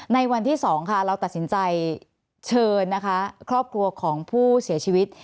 ในวันที่๒ค่ะเราตัดสินใจเชิญนะคะครอบครัวของผู้เสียชีวิต